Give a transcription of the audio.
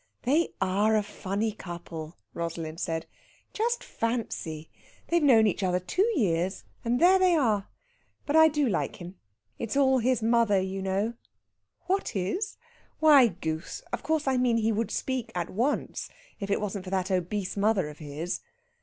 "They are a funny couple," Rosalind said. "Just fancy! They've known each other two years, and there they are! But I do like him. It's all his mother, you know ... what is?... why, goose of course I mean he would speak at once if it wasn't for that obese mother of his."